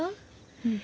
うん。